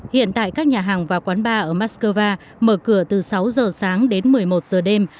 hiện tại các nhà hàng và quán bar ở moscow mở cửa từ sáu giờ sáng đến một mươi một giờ đêm